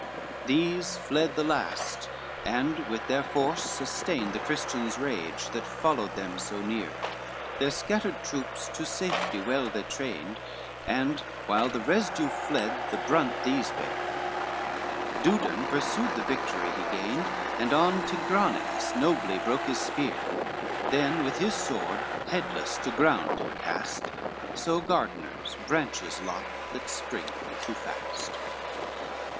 XLIII These fled the last, and with their force sustained The Christians' rage, that followed them so near; Their scattered troops to safety well they trained, And while the residue fled, the brunt these bear; Dudon pursued the victory he gained, And on Tigranes nobly broke his spear, Then with his sword headless to ground him cast, So gardeners branches lop that spring too fast.